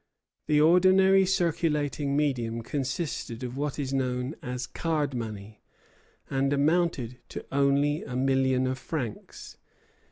The ordinary circulating medium consisted of what was known as card money, and amounted to only a million of francs.